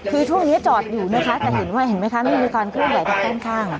คือทุกคนเนี่ยจอดอยู่นะคะแต่เห็นไหมคะนี่มีการขึ้นใหญ่กับข้าง